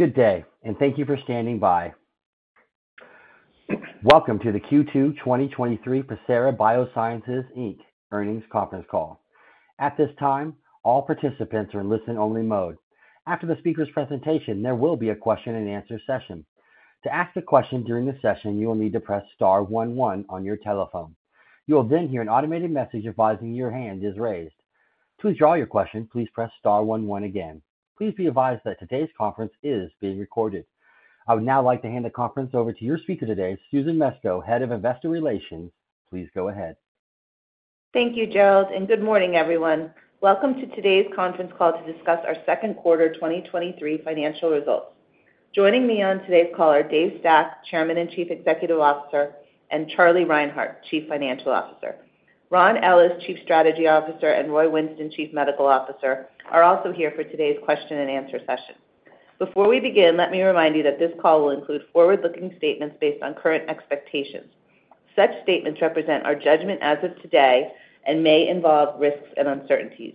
Good day, and thank you for standing by. Welcome to the Q2 2023 Pacira BioSciences, Inc. Earnings Conference Call. At this time, all participants are in listen-only mode. After the speaker's presentation, there will be a question-and-answer session. To ask a question during the session, you will need to press star one one on your telephone. You will then hear an automated message advising your hand is raised. To withdraw your question, please press star one one again. Please be advised that today's conference is being recorded. I would now like to hand the conference over to your speaker today, Susan Mesco, Head of Investor Relations. Please go ahead. Thank you, Gerald, good morning, everyone. Welcome to today's conference call to discuss our second quarter 2023 financial results. Joining me on today's call are David Stack, Chairman and Chief Executive Officer, and Charlie Reinhart, Chief Financial Officer. Ron Ellis, Chief Strategy Officer, and Roy Winston, Chief Medical Officer, are also here for today's question-and-answer session. Before we begin, let me remind you that this call will include forward-looking statements based on current expectations. Such statements represent our judgment as of today and may involve risks and uncertainties.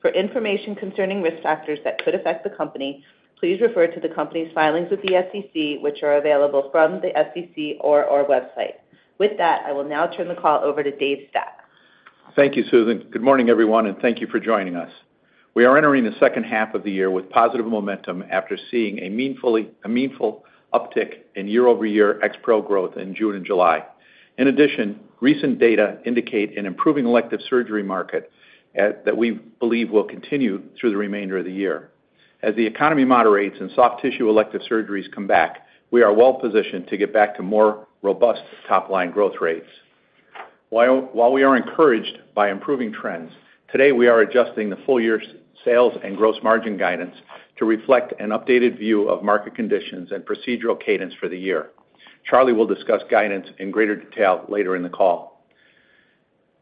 For information concerning risk factors that could affect the company, please refer to the company's filings with the SEC, which are available from the SEC or our website. With that, I will now turn the call over to David Stack. Thank you, Susan. Good morning, everyone, and thank you for joining us. We are entering the second half of the year with positive momentum after seeing a meaningful uptick in year-over-year EXPAREL growth in June and July. In addition, recent data indicate an improving elective surgery market that we believe will continue through the remainder of the year. As the economy moderates and soft tissue elective surgeries come back, we are well-positioned to get back to more robust top-line growth rates. While we are encouraged by improving trends, today, we are adjusting the full year's sales and gross margin guidance to reflect an updated view of market conditions and procedural cadence for the year. Charlie will discuss guidance in greater detail later in the call.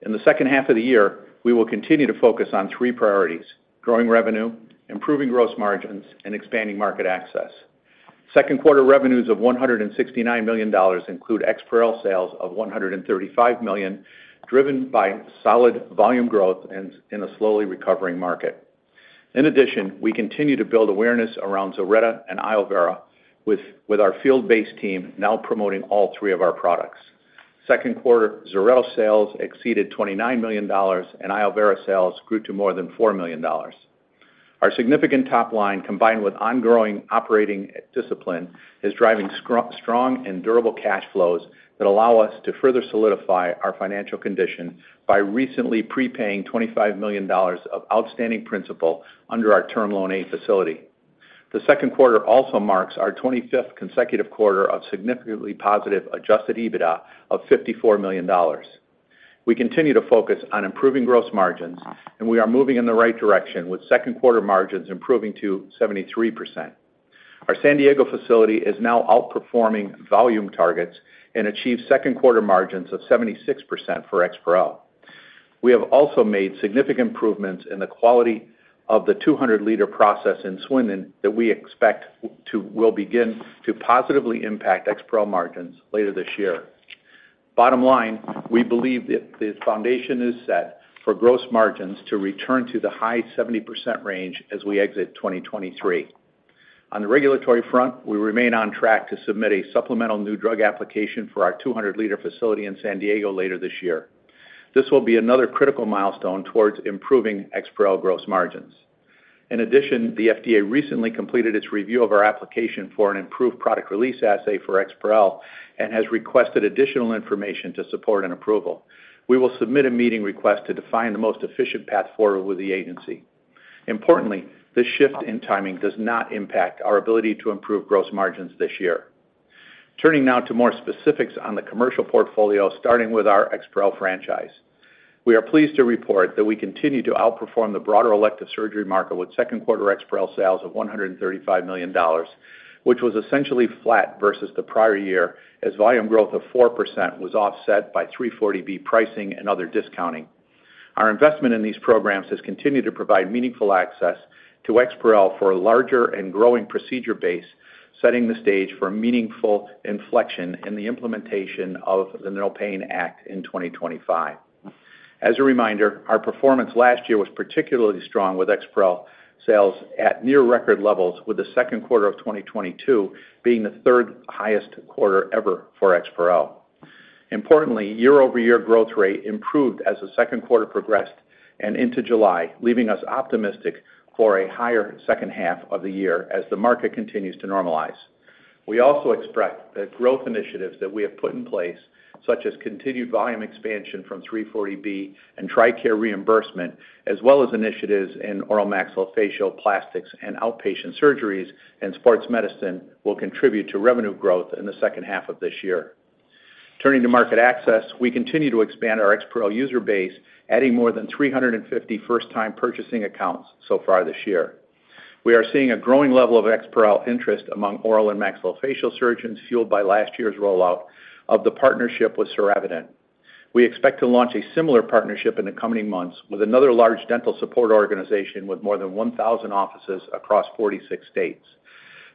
In the second half of the year, we will continue to focus on three priorities: growing revenue, improving gross margins, and expanding market access. Second quarter revenues of $169 million include EXPAREL sales of $135 million, driven by solid volume growth and in a slowly recovering market. In addition, we continue to build awareness around ZILRETTA and iovera, with our field-based team now promoting all three of our products. Second quarter, ZILRETTA sales exceeded $29 million, and iovera sales grew to more than $4 million. Our significant top line, combined with ongoing operating discipline, is driving strong and durable cash flows that allow us to further solidify our financial condition by recently prepaying $25 million of outstanding principal under our Term Loan A facility. The second quarter also marks our 25th consecutive quarter of significantly positive adjusted EBITDA of $54 million. We continue to focus on improving gross margins, and we are moving in the right direction, with second-quarter margins improving to 73%. Our San Diego facility is now outperforming volume targets and achieved second-quarter margins of 76% for EXPAREL. We have also made significant improvements in the quality of the 200 liter process in Swindon that we expect will begin to positively impact EXPAREL margins later this year. Bottom line, we believe that the foundation is set for gross margins to return to the high 70% range as we exit 2023. On the regulatory front, we remain on track to submit a supplemental new drug application for our 200 liter facility in San Diego later this year. This will be another critical milestone towards improving EXPAREL gross margins. The FDA recently completed its review of our application for an improved product release assay for EXPAREL and has requested additional information to support an approval. We will submit a meeting request to define the most efficient path forward with the agency. Importantly, this shift in timing does not impact our ability to improve gross margins this year. Turning now to more specifics on the commercial portfolio, starting with our EXPAREL franchise. We are pleased to report that we continue to outperform the broader elective surgery market with second-quarter EXPAREL sales of $135 million, which was essentially flat versus the prior year, as volume growth of 4% was offset by 340B pricing and other discounting. Our investment in these programs has continued to provide meaningful access to EXPAREL for a larger and growing procedure base, setting the stage for a meaningful inflection in the implementation of the NOPAIN Act in 2025. As a reminder, our performance last year was particularly strong, with EXPAREL sales at near record levels, with the second quarter of 2022 being the third highest quarter ever for EXPAREL. Importantly, year-over-year growth rate improved as the second quarter progressed and into July, leaving us optimistic for a higher second half of the year as the market continues to normalize. We also expect that growth initiatives that we have put in place, such as continued volume expansion from 340B and TRICARE reimbursement, as well as initiatives in oral maxillofacial, plastics and outpatient surgeries and sports medicine, will contribute to revenue growth in the second half of this year. Turning to market access, we continue to expand our EXPAREL user base, adding more than 350 first-time purchasing accounts so far this year. We are seeing a growing level of EXPAREL interest among oral and maxillofacial surgeons, fueled by last year's rollout of the partnership with Sevāredent. We expect to launch a similar partnership in the coming months with another large dental support organization with more than 1,000 offices across 46 states.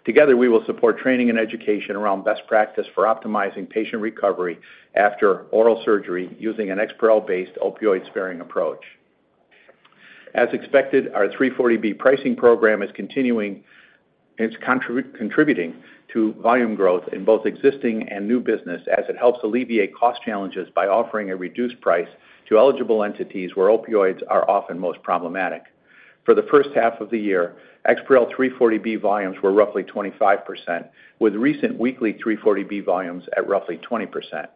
Together, we will support training and education around best practice for optimizing patient recovery after oral surgery using an EXPAREL-based opioid-sparing approach....As expected, our 340B pricing program is continuing, and it's contributing to volume growth in both existing and new business as it helps alleviate cost challenges by offering a reduced price to eligible entities where opioids are often most problematic. For the first half of the year, EXPAREL 340B volumes were roughly 25%, with recent weekly 340B volumes at roughly 20%.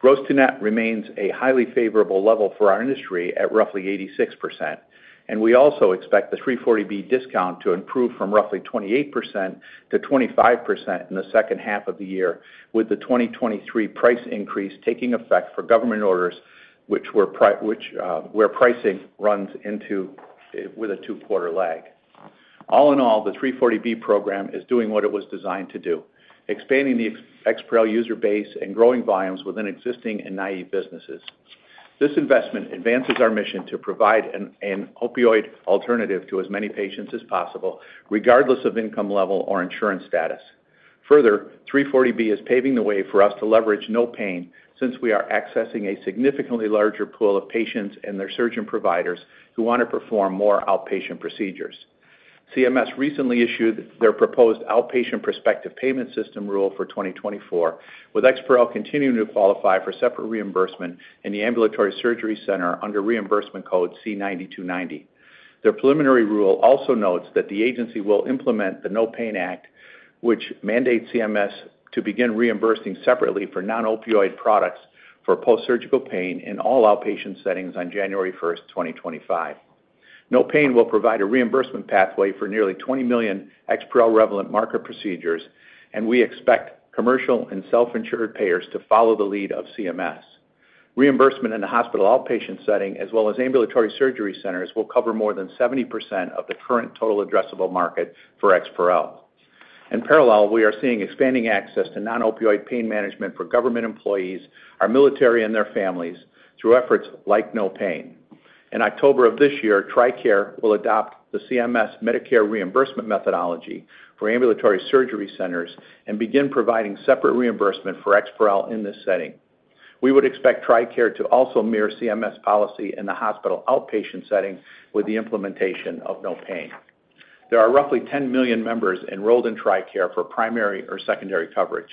Gross to net remains a highly favorable level for our industry at roughly 86%, and we also expect the 340B discount to improve from roughly 28%25% in the second half of the year, with the 2023 price increase taking effect for government orders, which were which, where pricing runs into with a two-quarter lag. All in all, the 340B program is doing what it was designed to do, expanding the EXPAREL user base and growing volumes within existing and naive businesses. This investment advances our mission to provide an, an opioid alternative to as many patients as possible, regardless of income level or insurance status. 340B is paving the way for us to leverage NOPAIN Act, since we are accessing a significantly larger pool of patients and their surgeon providers who want to perform more outpatient procedures. CMS recently issued their proposed Outpatient Prospective Payment System rule for 2024, with EXPAREL continuing to qualify for separate reimbursement in the ambulatory surgery center under reimbursement code C9290. Their preliminary rule also notes that the agency will implement the NOPAIN Act, which mandates CMS to begin reimbursing separately for non-opioid products for post-surgical pain in all outpatient settings on January 1st, 2025. NOPAIN Act will provide a reimbursement pathway for nearly 20 million EXPAREL relevant market procedures. We expect commercial and self-insured payers to follow the lead of CMS. Reimbursement in the hospital outpatient setting, as well as ambulatory surgery centers, will cover more than 70% of the current total addressable market for EXPAREL. In parallel, we are seeing expanding access to non-opioid pain management for government employees, our military, and their families through efforts like No Pain. In October of this year, TRICARE will adopt the CMS Medicare reimbursement methodology for ambulatory surgery centers and begin providing separate reimbursement for EXPAREL in this setting. We would expect TRICARE to also mirror CMS policy in the hospital outpatient setting with the implementation of No Pain. There are roughly 10 million members enrolled in TRICARE for primary or secondary coverage.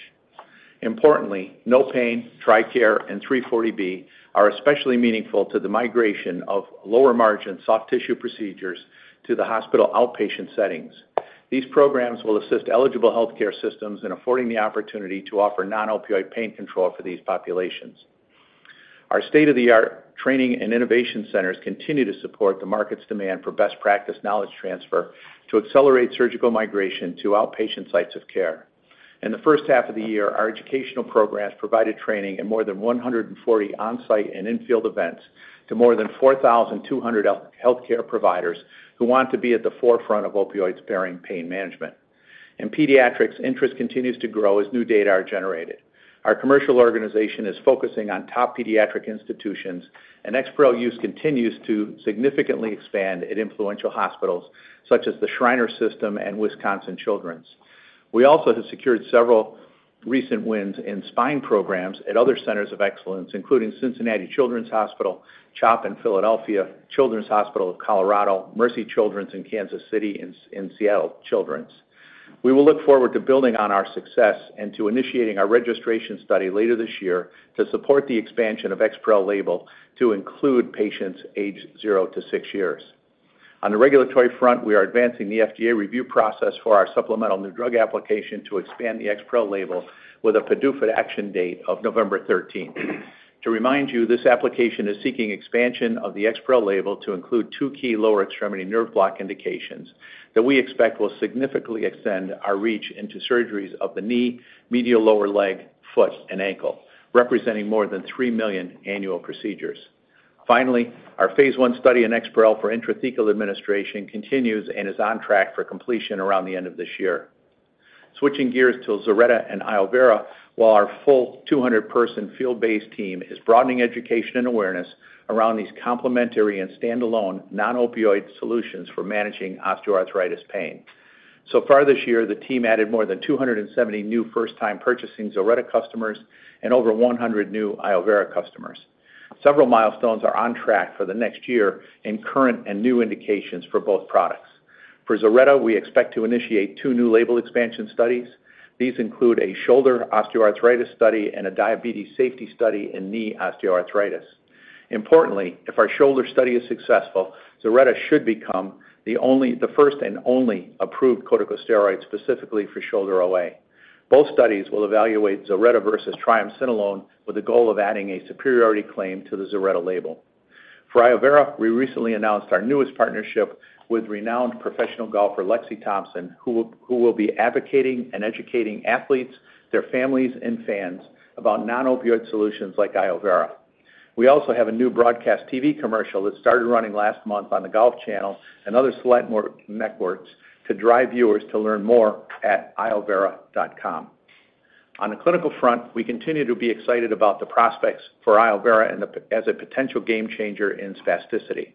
Importantly, No Pain, TRICARE, and 340B are especially meaningful to the migration of lower-margin soft tissue procedures to the hospital outpatient settings. These programs will assist eligible healthcare systems in affording the opportunity to offer non-opioid pain control for these populations. Our state-of-the-art training and innovation centers continue to support the market's demand for best practice knowledge transfer to accelerate surgical migration to outpatient sites of care. In the first half of the year, our educational programs provided training in more than 140 on-site and in-field events to more than 4,200 healthcare providers who want to be at the forefront of opioid-sparing pain management. In pediatrics, interest continues to grow as new data are generated. Our commercial organization is focusing on top pediatric institutions, and EXPAREL use continues to significantly expand at influential hospitals such as the Shriner system and Children's Wisconsin . We also have secured several recent wins in spine programs at other centers of excellence, including Cincinnati Children's Hospital, CHOP in Philadelphia, Children's Hospital of Colorado, Mercy Children's in Kansas City, and Seattle Children's. We will look forward to building on our success and to initiating our registration study later this year to support the expansion of EXPAREL label to include patients aged 0 to 6 years. On the regulatory front, we are advancing the FDA review process for our supplemental new drug application to expand the EXPAREL label with a PDUFA action date of November 13th. To remind you, this application is seeking expansion of the EXPAREL label to include 2 key lower extremity nerve block indications that we expect will significantly extend our reach into surgeries of the knee, medial lower leg, foot, and ankle, representing more than 3 million annual procedures. Finally, our phase I study in EXPAREL for intrathecal administration continues and is on track for completion around the end of this year. Switching gears to ZILRETTA and iovera, while our full 200-person field-based team is broadening education and awareness around these complementary and standalone non-opioid solutions for managing osteoarthritis pain. Far this year, the team added more than 270 new first-time purchasing ZILRETTA customers and over 100 new iovera customers. Several milestones are on track for the next year in current and new indications for both products. For ZILRETTA, we expect to initiate two new label expansion studies. These include a shoulder osteoarthritis study and a diabetes safety study in knee osteoarthritis. Importantly, if our shoulder study is successful, ZILRETTA should become the first and only approved corticosteroid specifically for shoulder OA. Both studies will evaluate ZILRETTA versus triamcinolone with the goal of adding a superiority claim to the ZILRETTA label. For iovera, we recently announced our newest partnership with renowned professional golfer, Lexi Thompson, who will, who will be advocating and educating athletes, their families, and fans about non-opioid solutions like iovera. We also have a new broadcast TV commercial that started running last month on the Golf Channel and other select networks to drive viewers to learn more at iovera.com. On the clinical front, we continue to be excited about the prospects for iovera as a potential game changer in spasticity.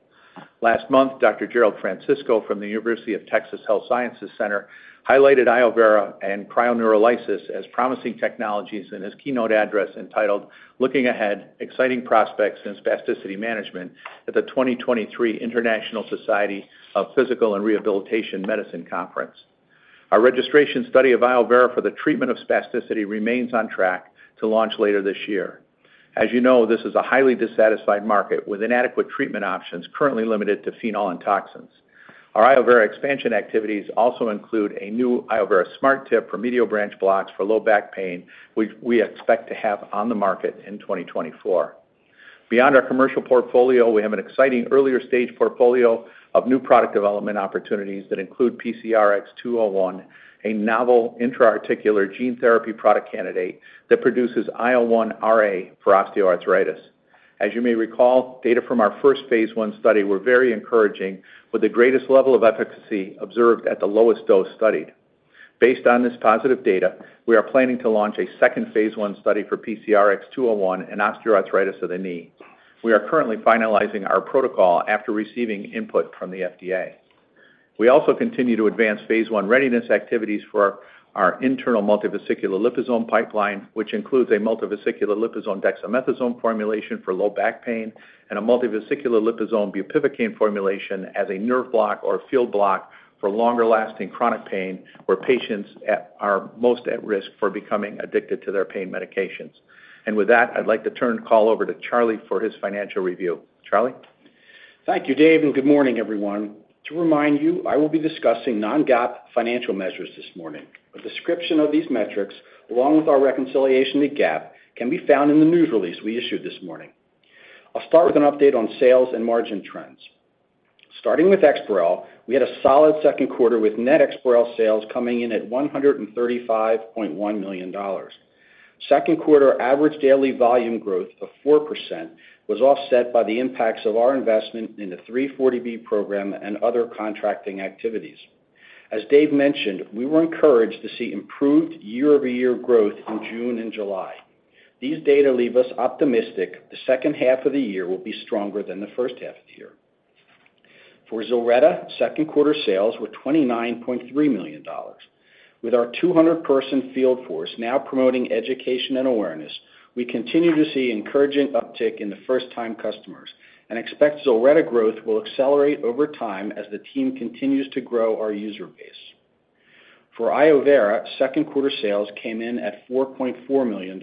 Last month, Dr. Gerald Francisco from the University of Texas Health Science Center highlighted iovera and cryoneurolysis as promising technologies in his keynote address entitled, "Looking Ahead: Exciting Prospects in Spasticity Management" at the 2023 International Society of Physical and Rehabilitation Medicine Conference. Our registration study of iovera for the treatment of spasticity remains on track to launch later this year. As you know, this is a highly dissatisfied market with inadequate treatment options currently limited to phenol and toxins. Our iovera expansion activities also include a new iovera Smart Tip for medial branch blocks for low back pain, which we expect to have on the market in 2024. Beyond our commercial portfolio, we have an exciting earlier stage portfolio of new product development opportunities that include PCRX-201, a novel intra-articular gene therapy product candidate that produces IL-1RA for osteoarthritis. As you may recall, data from our first phase I study were very encouraging, with the greatest level of efficacy observed at the lowest dose studied. Based on this positive data, we are planning to launch a second phase I study for PCRX-201 and osteoarthritis of the knee. We are currently finalizing our protocol after receiving input from the FDA. We also continue to advance phase I readiness activities for our internal multivesicular liposome pipeline, which includes a multivesicular liposome dexamethasone formulation for low back pain and a multivesicular liposome bupivacaine formulation as a nerve block or field block for longer-lasting chronic pain, where patients are most at risk for becoming addicted to their pain medications. With that, I'd like to turn the call over to Charlie for his financial review. Charlie? Thank you, Dave, and good morning, everyone. To remind you, I will be discussing non-GAAP financial measures this morning. A description of these metrics, along with our reconciliation to GAAP, can be found in the news release we issued this morning. I'll start with an update on sales and margin trends. Starting with EXPAREL, we had a solid second quarter, with net EXPAREL sales coming in at $135.1 million. Second quarter average daily volume growth of 4% was offset by the impacts of our investment in the 340B program and other contracting activities. As Dave mentioned, we were encouraged to see improved year-over-year growth in June and July. These data leave us optimistic the second half of the year will be stronger than the first half of the year. For ZILRETTA, second quarter sales were $29.3 million. With our 200-person field force now promoting education and awareness, we continue to see encouraging uptick in the first-time customers and expect ZILRETTA growth will accelerate over time as the team continues to grow our user base. For iovera, second quarter sales came in at $4.4 million.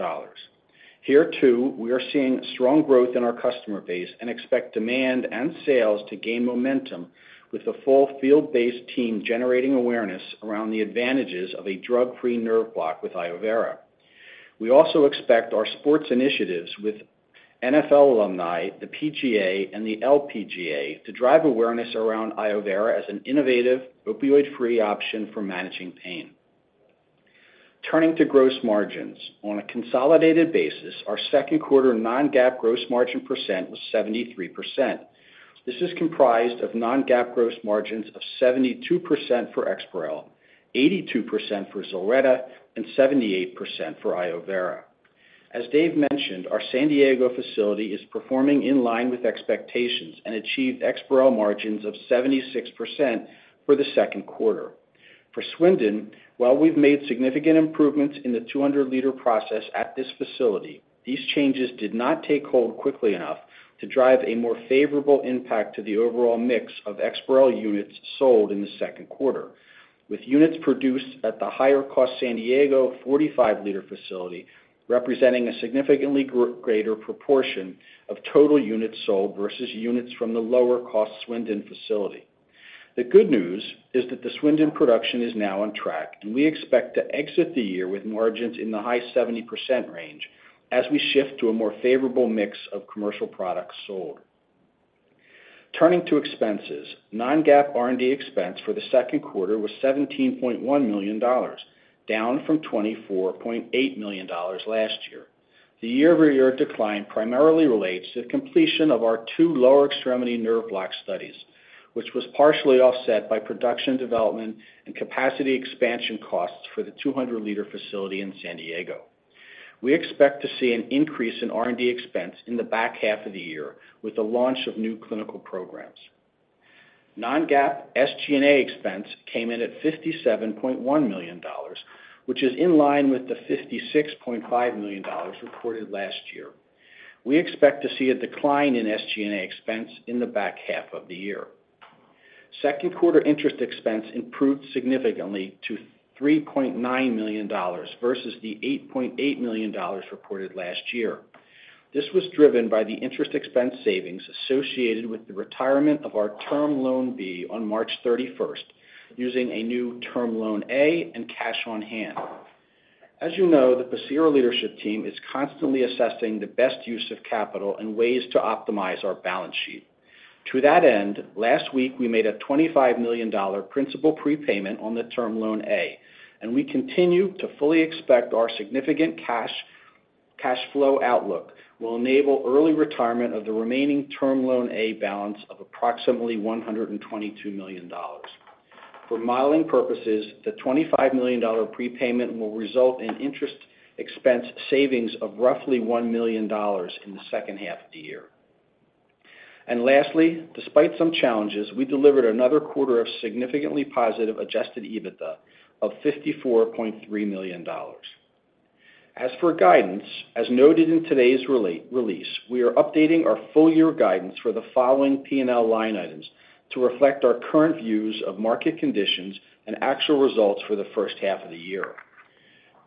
Here, too, we are seeing strong growth in our customer base and expect demand and sales to gain momentum with the full field-based team generating awareness around the advantages of a drug-free nerve block with iovera. We also expect our sports initiatives with NFL Alumni, the PGA, and the LPGA to drive awareness around iovera as an innovative, opioid-free option for managing pain. Turning to gross margins. On a consolidated basis, our second quarter non-GAAP gross margin % was 73%. This is comprised of non-GAAP gross margins of 72% for EXPAREL, 82% for ZILRETTA, and 78% for iovera. As Dave mentioned, our San Diego facility is performing in line with expectations and achieved EXPAREL margins of 76% for the second quarter. For Swindon, while we've made significant improvements in the 200 liter process at this facility, these changes did not take hold quickly enough to drive a more favorable impact to the overall mix of EXPAREL units sold in the second quarter, with units produced at the higher-cost San Diego 45 liter facility representing a significantly greater proportion of total units sold versus units from the lower-cost Swindon facility. The good news is that the Swindon production is now on track, and we expect to exit the year with margins in the high 70% range as we shift to a more favorable mix of commercial products sold. Turning to expenses, non-GAAP R&D expense for the second quarter was $17.1 million, down from $24.8 million last year. The year-over-year decline primarily relates to the completion of our two lower extremity nerve block studies, which was partially offset by production, development, and capacity expansion costs for the 200 liter facility in San Diego. We expect to see an increase in R&D expense in the back half of the year with the launch of new clinical programs. Non-GAAP SG&A expense came in at $57.1 million, which is in line with the $56.5 million reported last year. We expect to see a decline in SG&A expense in the back half of the year. Second quarter interest expense improved significantly to $3.9 million versus the $8.8 million reported last year. This was driven by the interest expense savings associated with the retirement of our Term Loan B on March 31st, using a new Term Loan A and cash on hand. As you know, the Pacira leadership team is constantly assessing the best use of capital and ways to optimize our balance sheet. To that end, last week, we made a $25 million principal prepayment on the Term Loan A. We continue to fully expect our significant cash, cash flow outlook will enable early retirement of the remaining Term Loan A balance of approximately $122 million. For modeling purposes, the $25 million prepayment will result in interest expense savings of roughly $1 million in the second half of the year. Lastly, despite some challenges, we delivered another quarter of significantly positive adjusted EBITDA of $54.3 million. As for guidance, as noted in today's release, we are updating our full year guidance for the following P&L line items to reflect our current views of market conditions and actual results for the first half of the year.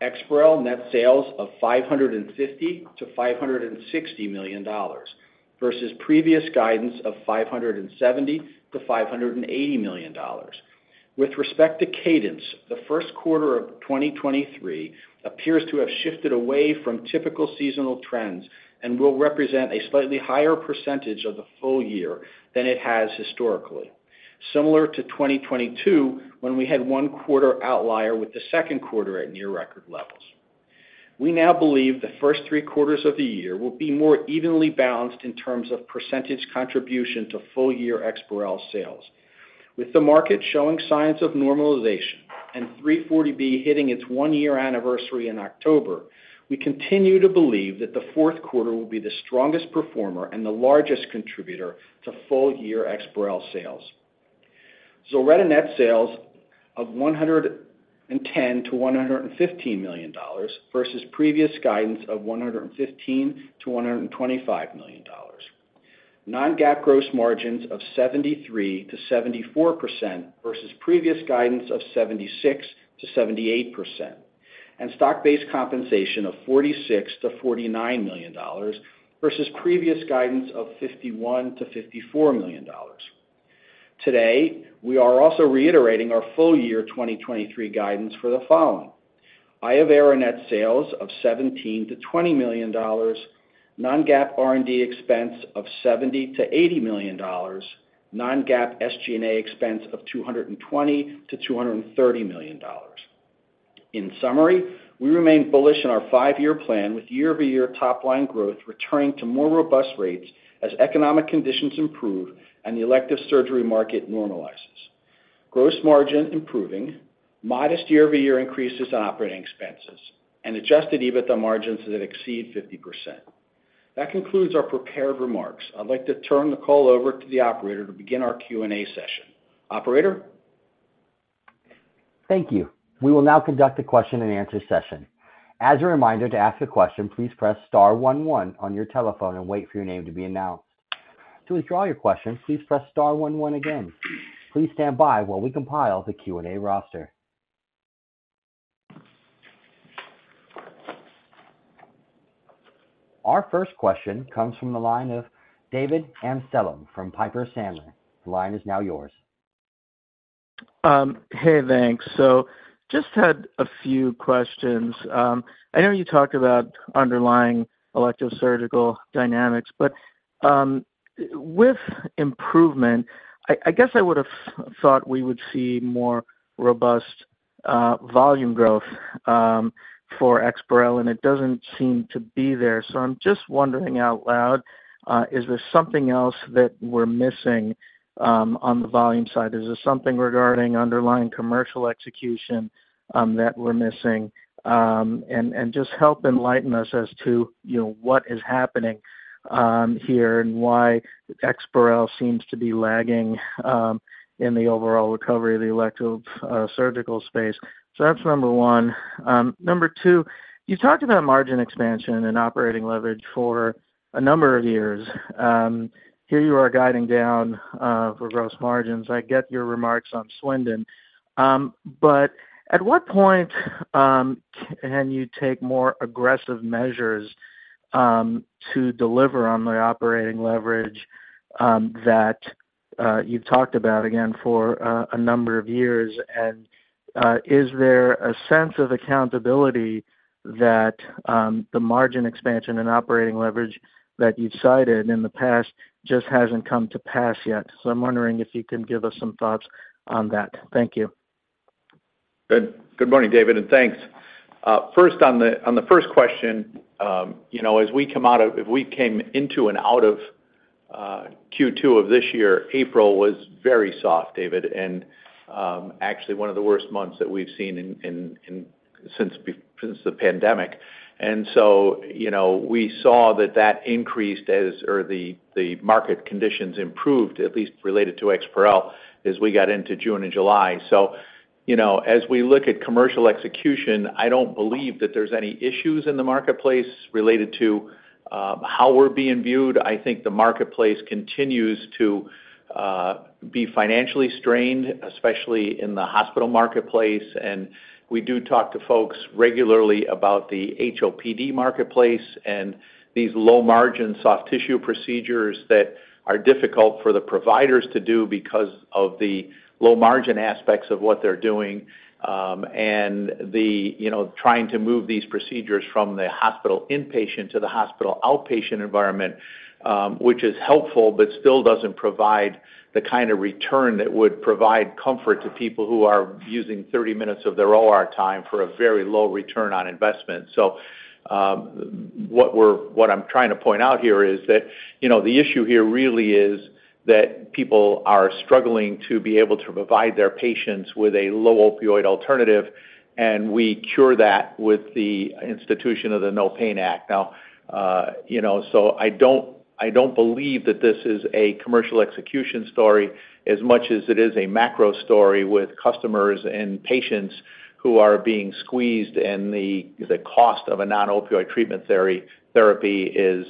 EXPAREL net sales of $550 million-$560 million versus previous guidance of $570 million-$580 million. With respect to cadence, the first quarter of 2023 appears to have shifted away from typical seasonal trends and will represent a slightly higher percentage of the full year than it has historically, similar to 2022, when we had one quarter outlier with the second quarter at near record levels. We now believe the first three quarters of the year will be more evenly balanced in terms of percentage contribution to full year EXPAREL sales. With the market showing signs of normalization and 340B hitting its one-year anniversary in October, we continue to believe that the fourth quarter will be the strongest performer and the largest contributor to full year EXPAREL sales. ZILRETTA net sales of $110 million-$115 million versus previous guidance of $115 million-$125 million. Non-GAAP gross margins of 73%-74% versus previous guidance of 76%-78%, and stock-based compensation of $46 million-$49 million versus previous guidance of $51 million-$54 million. Today, we are also reiterating our full year 2023 guidance for the following: iovera net sales of $17 million-$20 million, non-GAAP R&D expense of $70 million-$80 million, non-GAAP SG&A expense of $220 million-$230 million. In summary, we remain bullish in our five-year plan, with year-over-year top line growth returning to more robust rates as economic conditions improve and the elective surgery market normalizes. Gross margin improving, modest year-over-year increases in operating expenses, and adjusted EBITDA margins that exceed 50%. That concludes our prepared remarks. I'd like to turn the call over to the operator to begin our Q&A session. Operator? Thank you. We will now conduct a question-and-answer session. As a reminder, to ask a question, please press star one one on your telephone and wait for your name to be announced. To withdraw your question, please press star one one again. Please stand by while we compile the Q&A roster. Our first question comes from the line of David Amsellem from Piper Sandler. The line is now yours. Hey, thanks. Just had a few questions. I know you talked about underlying electrosurgical dynamics, but with improvement, I, I guess I would have thought we would see more robust volume growth for EXPAREL, and it doesn't seem to be there. I'm just wondering out loud, is there something else that we're missing on the volume side? Is there something regarding underlying commercial execution that we're missing? And just help enlighten us as to, you know, what is happening here and why EXPAREL seems to be lagging in the overall recovery of the elective surgical space. That's number one. Number two, you talked about margin expansion and operating leverage for a number of years. Here you are guiding down for gross margins. I get your remarks on Swindon. At what point can you take more aggressive measures to deliver on the operating leverage that you've talked about again for a number of years? Is there a sense of accountability that the margin expansion and operating leverage that you've cited in the past just hasn't come to pass yet? I'm wondering if you can give us some thoughts on that. Thank you. Good, good morning, David, and thanks. First, on the first question, you know, as we came into and out of Q2 of this year, April was very soft, David, and actually one of the worst months that we've seen since the pandemic. You know, we saw that that increased as, or the, the market conditions improved, at least related to EXPAREL, as we got into June and July. You know, as we look at commercial execution, I don't believe that there's any issues in the marketplace related to how we're being viewed. I think the marketplace continues to be financially strained, especially in the hospital marketplace. We do talk to folks regularly about the HOPD marketplace and these low-margin, soft tissue procedures that are difficult for the providers to do because of the low-margin aspects of what they're doing. The, you know, trying to move these procedures from the hospital inpatient to the hospital outpatient environment, which is helpful, but still doesn't provide the kind of return that would provide comfort to people who are using 30 minutes of their OR time for a very low return on investment. What I'm trying to point out here is that, you know, the issue here really is-. ... that people are struggling to be able to provide their patients with a low opioid alternative, and we cure that with the institution of the NOPAIN Act. Now, you know, I don't, I don't believe that this is a commercial execution story as much as it is a macro story with customers and patients who are being squeezed, and the cost of a non-opioid treatment therapy is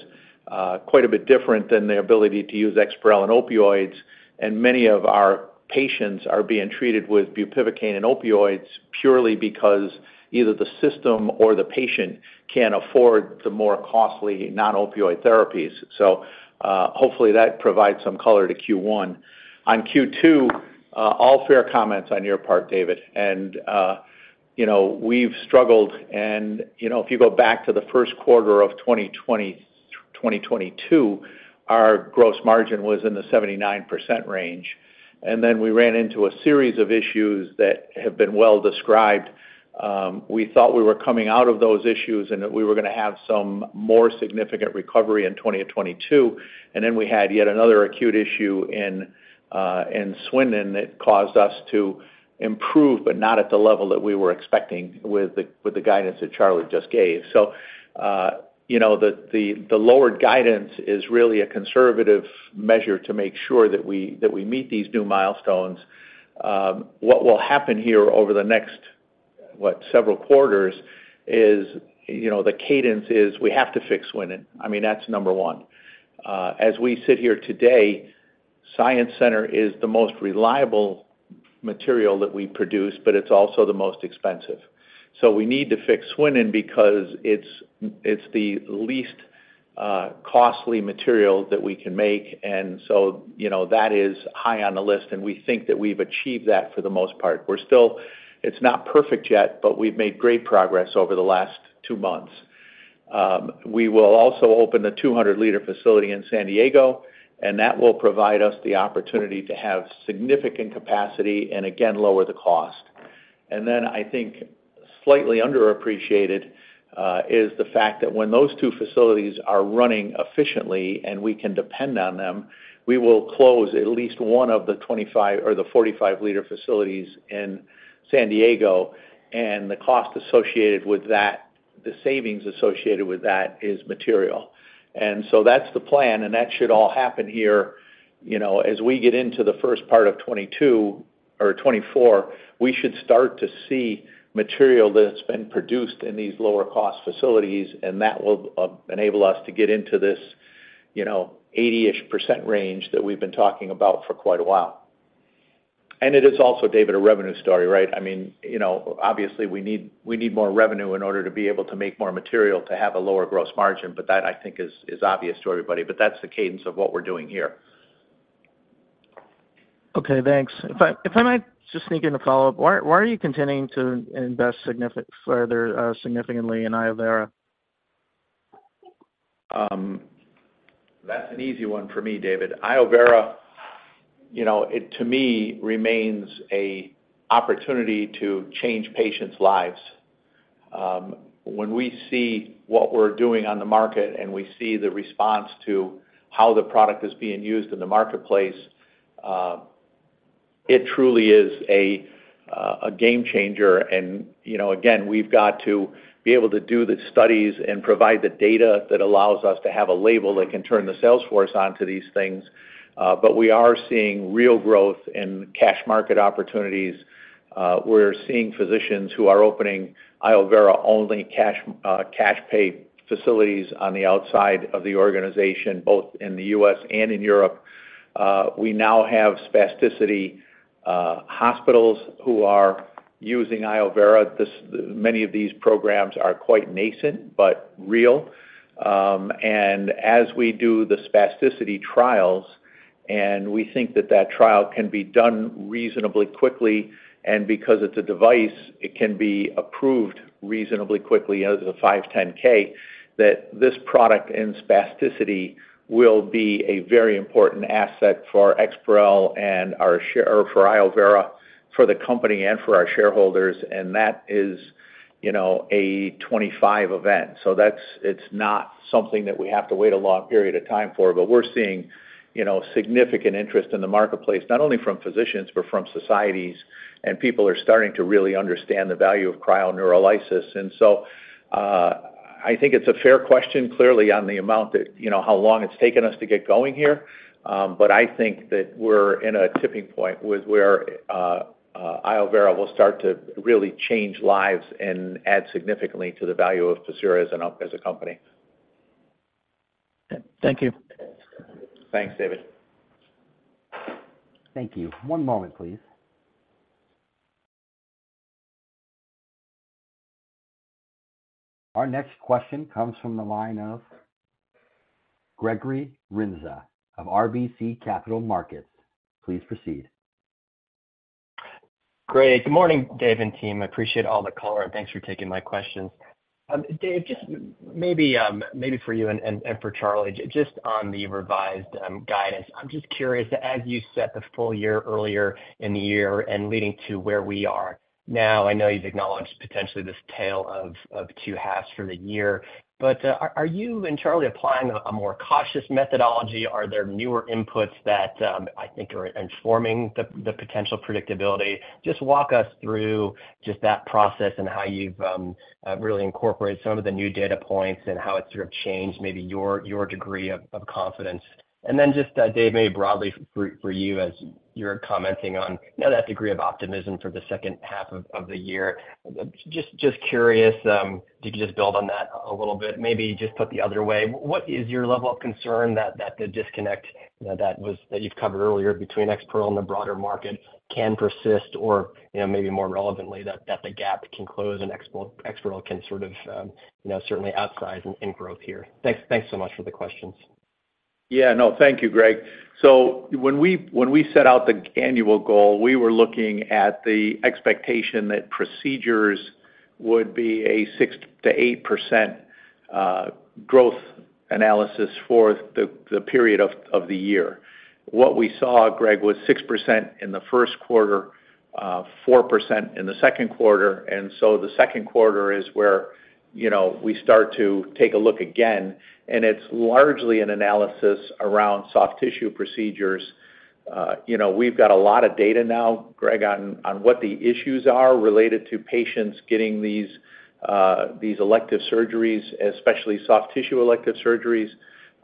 quite a bit different than the ability to use EXPAREL and opioids. Many of our patients are being treated with bupivacaine and opioids purely because either the system or the patient can't afford the more costly non-opioid therapies. Hopefully, that provides some color to Q1. On Q2, all fair comments on your part, David, and, you know, we've struggled. You know, if you go back to the 1st quarter of 2020-2022, our gross margin was in the 79% range, and then we ran into a series of issues that have been well described. We thought we were coming out of those issues, and that we were gonna have some more significant recovery in 2022, and then we had yet another acute issue in Swindon that caused us to improve, but not at the level that we were expecting with the, with the guidance that Charlie just gave. You know, the, the, the lowered guidance is really a conservative measure to make sure that we, that we meet these new milestones. What will happen here over the next, what, several quarters is, you know, the cadence is we have to fix Swindon. I mean, that's number 1. As we sit here today, Science Center is the most reliable material that we produce, but it's also the most expensive. We need to fix Swindon because it's, it's the least costly material that we can make. You know, that is high on the list, and we think that we've achieved that for the most part. We're still. It's not perfect yet, but we've made great progress over the last two months. We will also open the 200 liter facility in San Diego, and that will provide us the opportunity to have significant capacity and again, lower the cost. I think slightly underappreciated is the fact that when those two facilities are running efficiently and we can depend on them, we will close at least one of the 25- or the 45 liter facilities in San Diego, and the cost associated with that, the savings associated with that is material. That's the plan, and that should all happen here. You know, as we get into the first part of 2022 or 2024, we should start to see material that's been produced in these lower cost facilities, and that will enable us to get into this, you know, 80%-ish range that we've been talking about for quite a while. It is also, David, a revenue story, right? I mean, you know, obviously, we need, we need more revenue in order to be able to make more material to have a lower gross margin, that, I think is, is obvious to everybody. That's the cadence of what we're doing here. Okay, thanks. If I, if I might just sneak in a follow-up. Why, why are you continuing to invest significant, further, significantly in iovera? That's an easy one for me, David. iovera, you know, it, to me, remains a opportunity to change patients' lives. When we see what we're doing on the market, and we see the response to how the product is being used in the marketplace, it truly is a game changer. You know, again, we've got to be able to do the studies and provide the data that allows us to have a label that can turn the sales force onto these things. We are seeing real growth in cash market opportunities. We're seeing physicians who are opening iovera only cash, cash pay facilities on the outside of the organization, both in the U.S. and in Europe. We now have spasticity, hospitals who are using iovera. Many of these programs are quite nascent, but real. As we do the spasticity trials, and we think that that trial can be done reasonably quickly, and because it's a device, it can be approved reasonably quickly as a 510(k), that this product in spasticity will be a very important asset for EXPAREL and our share- or for iovera, for the company and for our shareholders, and that is, you know, a 25 event. That's- it's not something that we have to wait a long period of time for. We're seeing, you know, significant interest in the marketplace, not only from physicians, but from societies, and people are starting to really understand the value of cryoneurolysis. I think it's a fair question, clearly on the amount that, you know, how long it's taken us to get going here. But I think that we're in a tipping point with where iovera will start to really change lives and add significantly to the value of Pacira as a company. Thank you. Thanks, David. Thank you. One moment, please. Our next question comes from the line of Gregory Renza of RBC Capital Markets. Please proceed. Great. Good morning, Dave and team. I appreciate all the color, and thanks for taking my questions. Dave, just maybe, maybe for you and, and, and for Charlie, just on the revised guidance. I'm just curious, as you set the full year earlier in the year and leading to where we are now, I know you've acknowledged potentially this tale of, of two halves for the year, but are you and Charlie applying a more cautious methodology? Are there newer inputs that I think are informing the potential predictability? Just walk us through just that process and how you've really incorporated some of the new data points and how it's sort of changed maybe your degree of confidence. Just, Dave, maybe broadly for, for you as you're commenting on, you know, that degree of optimism for the second half of, of the year. Just, just curious, could you just build on that a little bit? Maybe just put the other way, what is your level of concern that, that the disconnect, you know, that you've covered earlier between EXPAREL and the broader market can persist, or, you know, maybe more relevantly, that, that the gap can close and EXPAREL can sort of, you know, certainly outsize in, in growth here? Thanks, thanks so much for the questions. Yeah. No, thank you, Greg. When we, when we set out the annual goal, we were looking at the expectation that procedures would be a 6%-8% growth analysis for the period of the year. What we saw, Greg, was 6% in the first quarter, 4% in the second quarter. The second quarter is where, you know, we start to take a look again, and it's largely an analysis around soft tissue procedures. You know, we've got a lot of data now, Greg, on what the issues are related to patients getting these elective surgeries, especially soft tissue elective surgeries.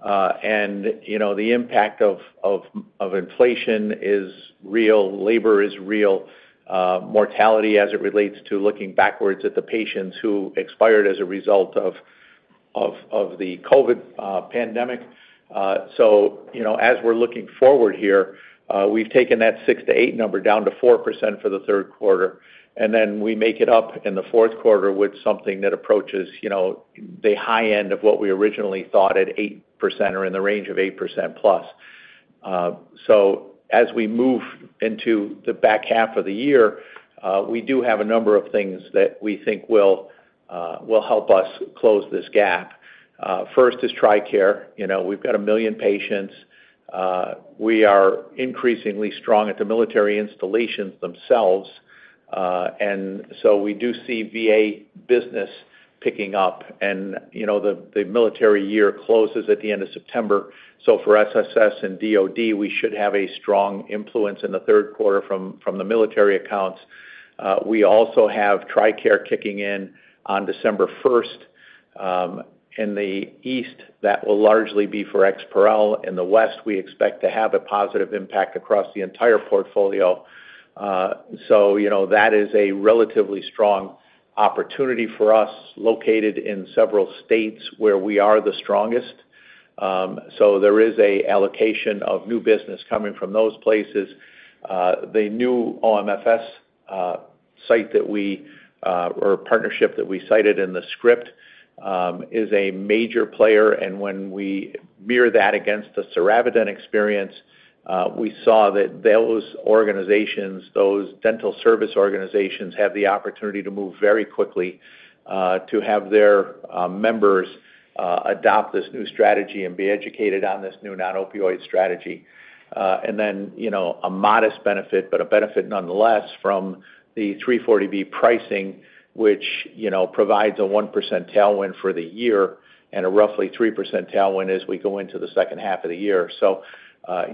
You know, the impact of, of, of inflation is real, labor is real, mortality as it relates to looking backwards at the patients who expired as a result of, of, of the COVID pandemic. You know, as we're looking forward here, we've taken that 6-8 number down to 4% for the third quarter, and then we make it up in the fourth quarter with something that approaches, you know, the high end of what we originally thought at 8% or in the range of 8%+. As we move into the back half of the year, we do have a number of things that we think will help us close this gap. First is TRICARE. You know, we've got 1 million patients. We are increasingly strong at the military installations themselves. We do see VA business picking up, and, you know, the, the military year closes at the end of September. For SSS and DOD, we should have a strong influence in the third quarter from the military accounts. We also have TRICARE kicking in on December 1st. In the east, that will largely be for EXPAREL. In the west, we expect to have a positive impact across the entire portfolio. You know, that is a relatively strong opportunity for us, located in several states where we are the strongest. There is a allocation of new business coming from those places. The new OMFS site that we or partnership that we cited in the script is a major player, and when we mirror that against the Sevāredent experience, we saw that those organizations, those dental service organizations, have the opportunity to move very quickly to have their members adopt this new strategy and be educated on this new non-opioid strategy. Then, you know, a modest benefit, but a benefit nonetheless from the 340B pricing, which, you know, provides a 1% tailwind for the year and a roughly 3% tailwind as we go into the second half of the year.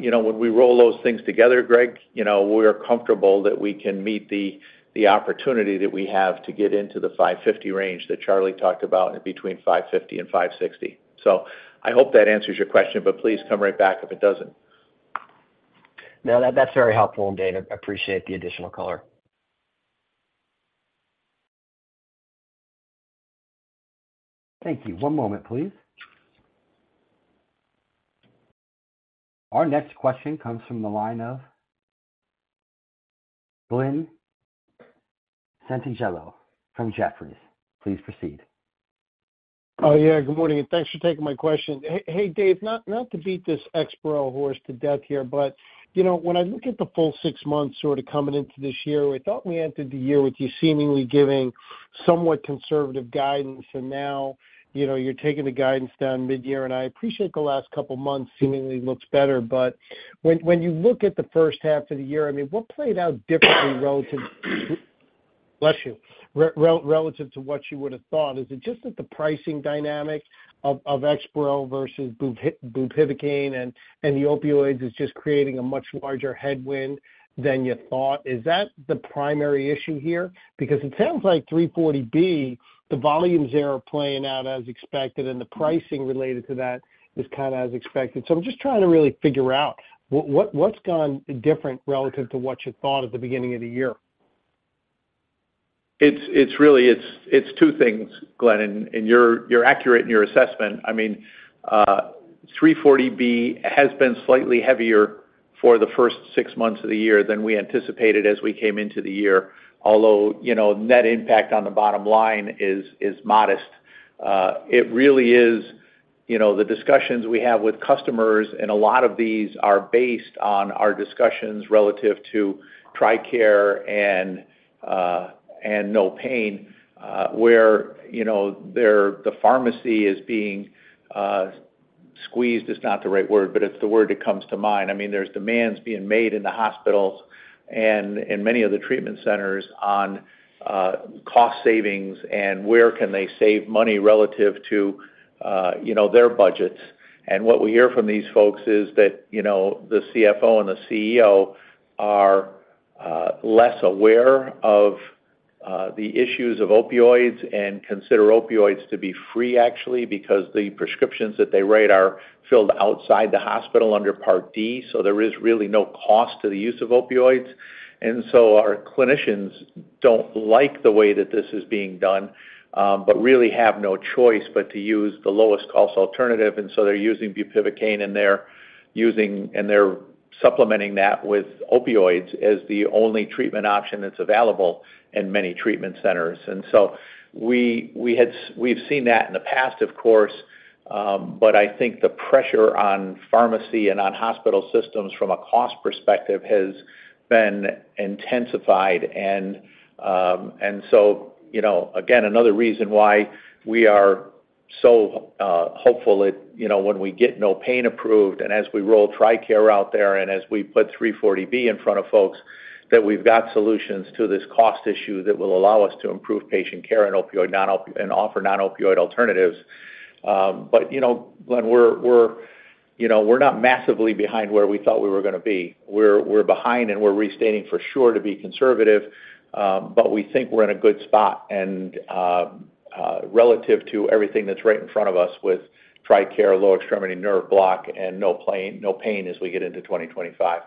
You know, when we roll those things together, Greg, you know, we're comfortable that we can meet the, the opportunity that we have to get into the $550 range that Charlie talked about between $550 and $560. I hope that answers your question, but please come right back if it doesn't. No, that, that's very helpful, Dave. I appreciate the additional color. Thank you. One moment, please. Our next question comes from the line of Glen Santangelo from Jefferies. Please proceed. Oh, yeah, good morning, thanks for taking my question. Hey, hey, Dave, not, not to beat this EXPAREL horse to death here, but, you know, when I look at the full 6 months sort of coming into this year, I thought we entered the year with you seemingly giving somewhat conservative guidance, and now, you know, you're taking the guidance down mid-year. I appreciate the last couple of months seemingly looks better, but when, when you look at the first half of the year, I mean, what played out differently relative? Bless you. Relative to what you would've thought? Is it just that the pricing dynamic of EXPAREL versus bupivacaine and the opioids is just creating a much larger headwind than you thought? Is that the primary issue here? It sounds like 340B, the volumes there are playing out as expected, and the pricing related to that is kind of as expected. I'm just trying to really figure out what, what, what's gone different relative to what you thought at the beginning of the year? It's, it's really, it's, it's two things, Glen, and you're, you're accurate in your assessment. I mean, 340B has been slightly heavier for the first six months of the year than we anticipated as we came into the year, although, you know, net impact on the bottom line is, is modest. It really is, you know, the discussions we have with customers, and a lot of these are based on our discussions relative to TRICARE and NOPAIN, where, you know, they're the pharmacy is being squeezed is not the right word, but it's the word that comes to mind. I mean, there's demands being made in the hospitals and many of the treatment centers on cost savings and where can they save money relative to, you know, their budgets. What we hear from these folks is that, you know, the CFO and the CEO are less aware of the issues of opioids and consider opioids to be free, actually, because the prescriptions that they write are filled outside the hospital under Part D. There is really no cost to the use of opioids. Our clinicians don't like the way that this is being done, but really have no choice but to use the lowest cost alternative. They're using bupivacaine, and they're supplementing that with opioids as the only treatment option that's available in many treatment centers. We, we've seen that in the past, of course, but I think the pressure on pharmacy and on hospital systems from a cost perspective has been intensified. So, you know, again, another reason why we are so hopeful that, you know, when we get NOPAIN approved, and as we roll TRICARE out there, and as we put 340B in front of folks, that we've got solutions to this cost issue that will allow us to improve patient care and opioid, non-opioid, and offer non-opioid alternatives. But, you know, Glen, we're, we're, you know, we're not massively behind where we thought we were gonna be. We're, we're behind, and we're restating for sure to be conservative, but we think we're in a good spot and relative to everything that's right in front of us with TRICARE, lower extremity nerve block, and NOPAIN as we get into 2025.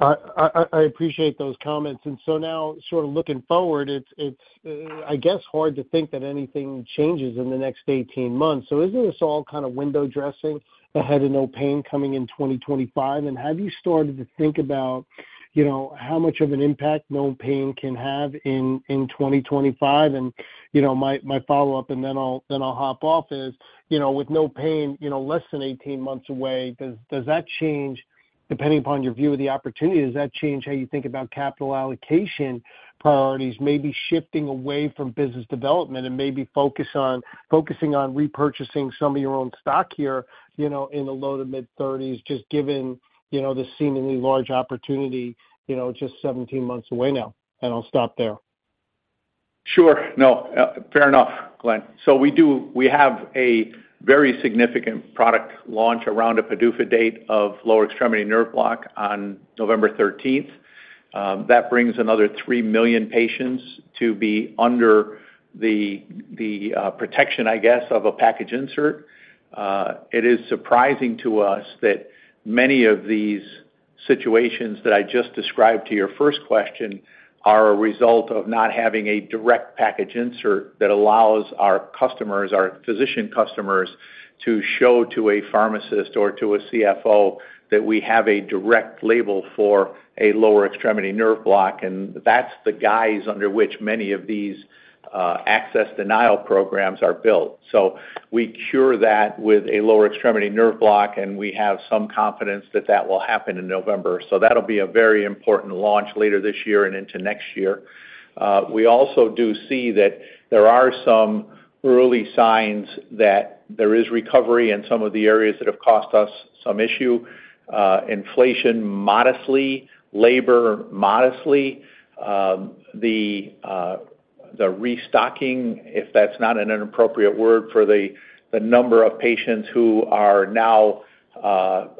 I, I, I, I appreciate those comments. Now, sort of looking forward, it's, it's, I guess, hard to think that anything changes in the next 18 months. Isn't this all kind of window dressing ahead of NOPAIN Act coming in 2025? Have you started to think about, you know, how much of an impact NOPAIN Act can have in, in 2025? You know, my, my follow-up, and then I'll, then I'll hop off, is, you know, with NOPAIN Act, you know, less than 18 months away, does, does that change, depending upon your view of the opportunity, does that change how you think about capital allocation priorities? Maybe shifting away from business development and maybe focusing on repurchasing some of your own stock here, you know, in the low to mid-30s, just given, you know, the seemingly large opportunity, you know, just 17 months away now? I'll stop there. Sure. No, fair enough, Glenn. We do... We have a very significant product launch around a PDUFA date of lower extremity nerve block on November 13th. That brings another 3 million patients to be under the, the, protection, I guess, of a package insert. It is surprising to us that many of these situations that I just described to your first question are a result of not having a direct package insert that allows our customers, our physician customers, to show to a pharmacist or to a CFO that we have a direct label for a lower extremity nerve block. That's the guise under which many of these access denial programs are built. We cure that with a lower extremity nerve block, and we have some confidence that that will happen in November. That'll be a very important launch later this year and into next year. We also do see that there are some early signs that there is recovery in some of the areas that have caused us some issue, inflation, modestly, labor, modestly, the restocking, if that's not an inappropriate word, for the number of patients who are now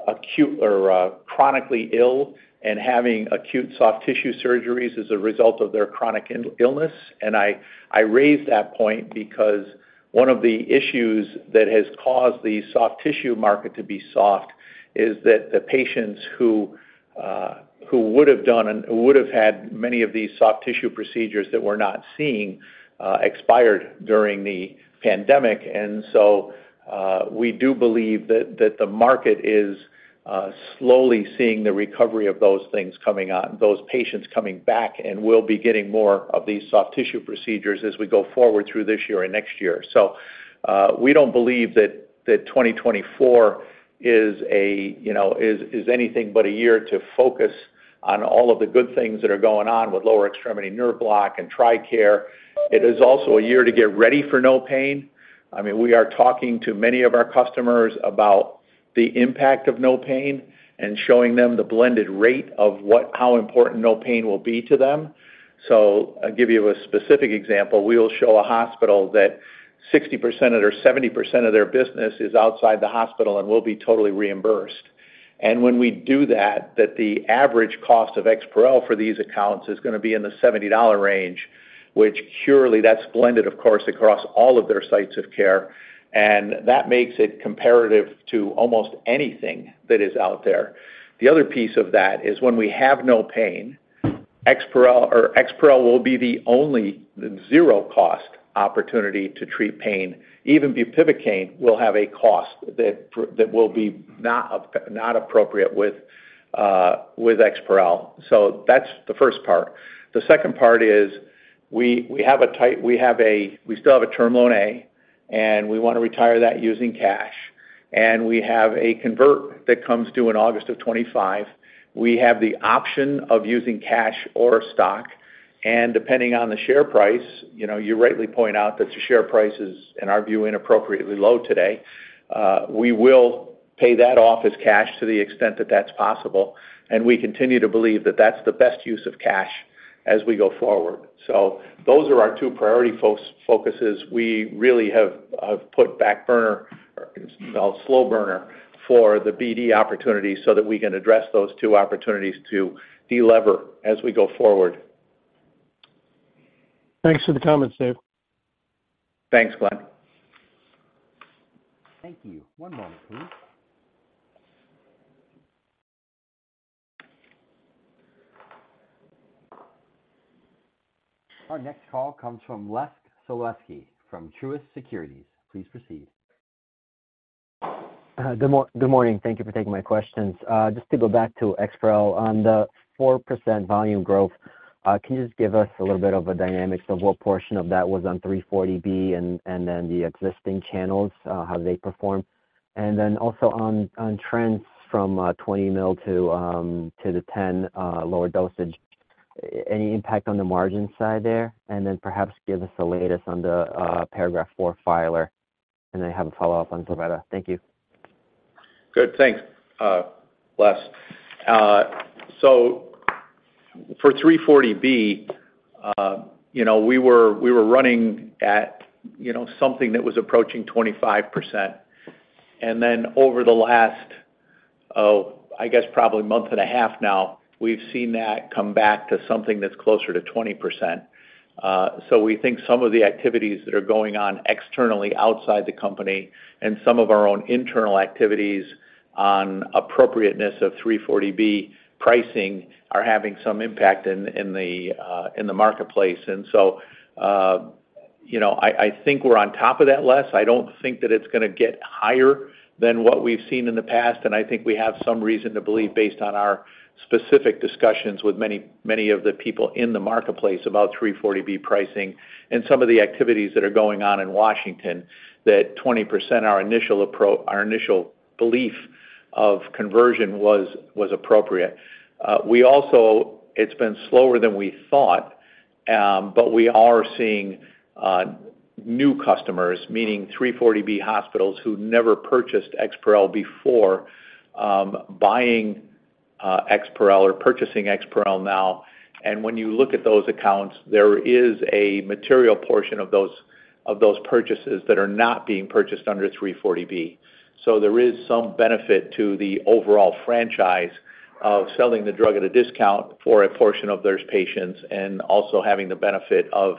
acute or chronically ill and having acute soft tissue surgeries as a result of their chronic illness. I, I raise that point because one of the issues that has caused the soft tissue market to be soft is that the patients who would've had many of these soft tissue procedures that we're not seeing, expired during the pandemic. We do believe that, that the market is slowly seeing the recovery of those things coming on, those patients coming back, and we'll be getting more of these soft tissue procedures as we go forward through this year and next year. We don't believe that, that 2024 is a, you know, is, is anything but a year to focus on all of the good things that are going on with lower extremity nerve block and TRICARE. It is also a year to get ready for No Pain. I mean, we are talking to many of our customers about the impact of No Pain and showing them the blended rate of what-- how important No Pain will be to them. I'll give you a specific example. We'll show a hospital that 60% or 70% of their business is outside the hospital and will be totally reimbursed. When we do that, that the average cost of EXPAREL for these accounts is gonna be in the $70 range, which purely that's blended, of course, across all of their sites of care, and that makes it comparative to almost anything that is out there. The other piece of that is when we have NOPAIN, EXPAREL or EXPAREL will be the only zero cost opportunity to treat pain. Even bupivacaine will have a cost that that will be not not appropriate with with EXPAREL. That's the first part. The second part is. We still have a Term Loan A, and we want to retire that using cash. We have a convert that comes due in August of 25. We have the option of using cash or stock, and depending on the share price, you know, you rightly point out that the share price is, in our view, inappropriately low today. We will pay that off as cash to the extent that that's possible, and we continue to believe that that's the best use of cash as we go forward. Those are our 2 priority focuses. We really have put back burner, or slow burner, for the BD opportunity so that we can address those 2 opportunities to delever as we go forward. Thanks for the comments, Dave. Thanks, Glenn. Thank you. One moment, please. Our next call comes from Leszek Sulewski from Truist Securities. Please proceed. k you for taking my questions. Just to go back to EXPAREL, on the 4% volume growth, can you just give us a little bit of a dynamics of what portion of that was on 340B and then the existing channels, how they performed? And then also on trends from 20 ml to the 10 ml lower dosage, any impact on the margin side there? And then perhaps give us the latest on the Paragraph IV filer, and I have a follow-up on ZILRETTA. Thank you Good. Thanks, Les. For 340B, you know, we were, we were running at, you know, something that was approaching 25%. Over the last, I guess probably month and a half now, we've seen that come back to something that's closer to 20%. We think some of the activities that are going on externally outside the company and some of our own internal activities on appropriateness of 340B pricing are having some impact in, in the marketplace. You know, I, I think we're on top of that, Les. I don't think that it's gonna get higher than what we've seen in the past, and I think we have some reason to believe based on our specific discussions with many, many of the people in the marketplace about 340B pricing and some of the activities that are going on in Washington, that 20%, our initial belief of conversion was, was appropriate. It's been slower than we thought, but we are seeing new customers, meaning 340B hospitals who never purchased EXPAREL before, buying EXPAREL or purchasing EXPAREL now. When you look at those accounts, there is a material portion of those, of those purchases that are not being purchased under 340B. There is some benefit to the overall franchise of selling the drug at a discount for a portion of those patients and also having the benefit of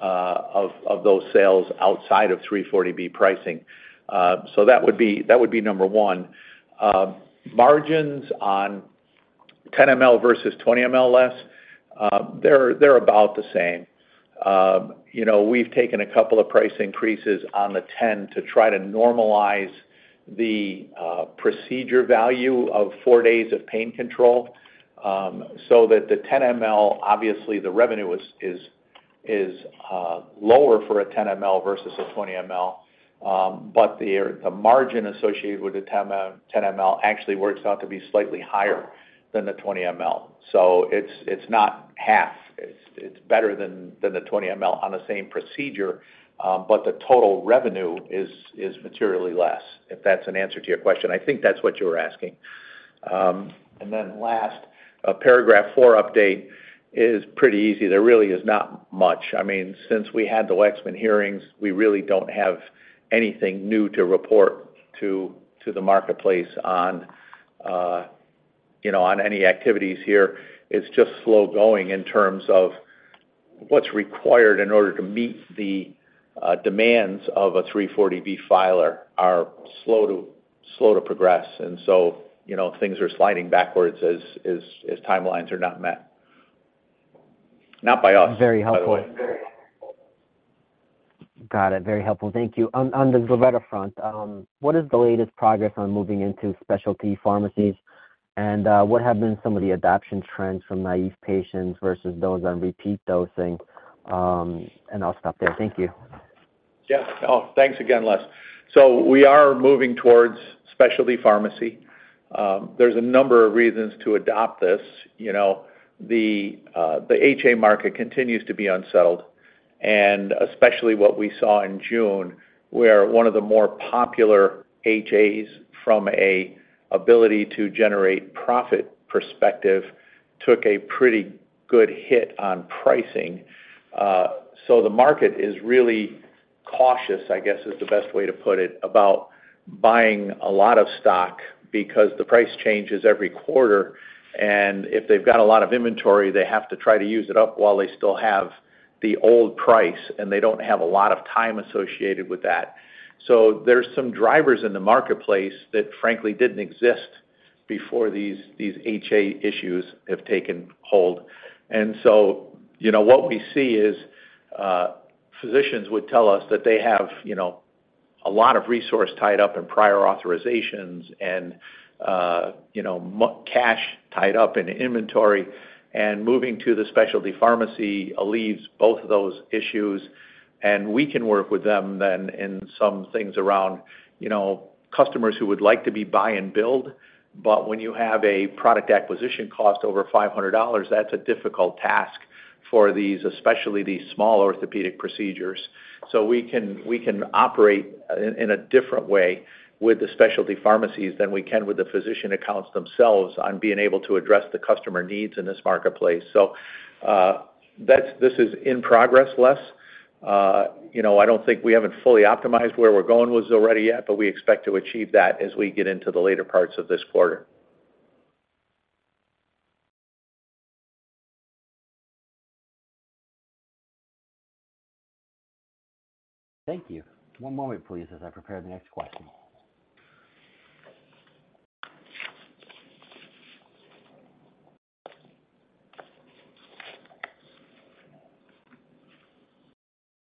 those sales outside of 340B pricing. That would be, that would be number one. Margins on 10 ml versus 20 ml, Les, they're about the same. You know, we've taken a couple of price increases on the 10 to try to normalize the procedure value of four days of pain control, so that the 10 ml, obviously, the revenue is lower for a 10 ml versus a 20 ml, but the margin associated with the 10 ml actually works out to be slightly higher than the 20 ml. It's, it's not half. It's, it's better than, than the 20 ml on the same procedure, but the total revenue is, is materially less, if that's an answer to your question. I think that's what you were asking. Then last, a Paragraph IV update is pretty easy. There really is not much. I mean, since we had the Lexman hearings, we really don't have anything new to report to, to the marketplace on, you know, on any activities here. It's just slow-going in terms of what's required in order to meet the demands of a 340B filer are slow to, slow to progress. So, you know, things are sliding backwards as, as, as timelines are not met. Not by us, by the way. Very helpful. Got it. Very helpful. Thank you. On, on the ZILRETTA front, what is the latest progress on moving into specialty pharmacies? What have been some of the adoption trends from naive patients versus those on repeat dosing? I'll stop there. Thank you. Yeah. Oh, thanks again, Les. We are moving towards specialty pharmacy. There's a number of reasons to adopt this. You know, the HA market continues to be unsettled, and especially what we saw in June, where one of the more popular HAs from an ability to generate profit perspective took a pretty good hit on pricing. The market is really cautious, I guess, is the best way to put it, about buying a lot of stock because the price changes every quarter, and if they've got a lot of inventory, they have to try to use it up while they still have the old price, and they don't have a lot of time associated with that. There's some drivers in the marketplace that, frankly, didn't exist before these, these HA issues have taken hold. You know, what we see is, physicians would tell us that they have a lot of resource tied up in prior authorizations and, you know, cash tied up in inventory, and moving to the specialty pharmacy relieves both of those issues, and we can work with them then in some things around, you know, customers who would like to be buy and bill. When you have a product acquisition cost over $500, that's a difficult task for these, especially these small orthopedic procedures. We can, we can operate in, in a different way with the specialty pharmacies than we can with the physician accounts themselves on being able to address the customer needs in this marketplace. This is in progress, Les. You know, I don't think we haven't fully optimized where we're going with already yet, but we expect to achieve that as we get into the later parts of this quarter. Thank you. One moment, please, as I prepare the next question.